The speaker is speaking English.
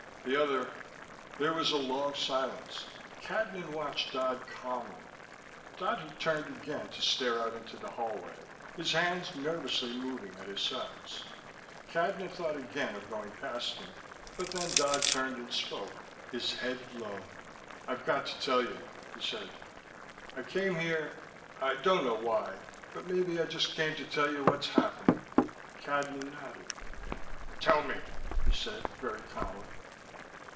The other " There was a long silence. Cadnan watched Dodd calmly. Dodd had turned again to stare out into the hallway, his hands nervously moving at his sides. Cadnan thought again of going past him, but then Dodd turned and spoke, his head low. "I've got to tell you," he said. "I came here I don't know why, but maybe I just came to tell you what's happening." Cadnan nodded. "Tell me," he said, very calmly.